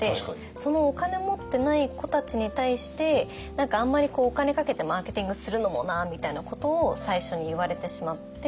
「そのお金持ってない子たちに対して何かあんまりお金かけてマーケティングするのもな」みたいなことを最初に言われてしまって。